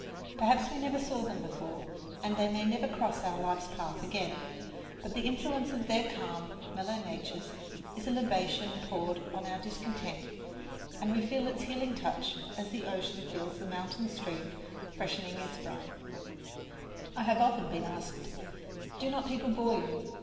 Perhaps we never saw them before, and they may never cross our life's path again; but the influence of their calm, mellow natures is a libation poured upon our discontent, and we feel its healing touch, as the ocean feels the mountain stream freshening its brine. I have often been asked, "Do not people bore you?"